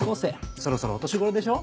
そろそろお年頃でしょ？